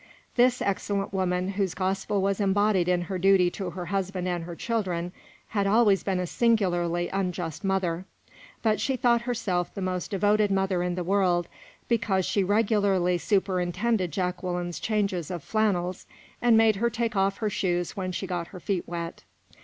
This excellent woman, whose gospel was embodied in her duty to her husband and her children, had always been a singularly unjust mother; but she thought herself the most devoted mother in the world, because she regularly superintended Jacqueline's changes of flannels, and made her take off her shoes when she got her feet wet.